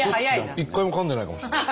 一回もかんでないかもしれない。